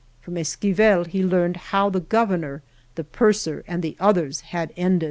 From Esquivel he learned how the Governor, the purser and the others had ended.